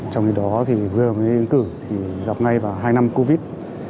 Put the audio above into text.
trong khi đó thì vừa mới ứng cử thì gặp ngay vào hai năm covid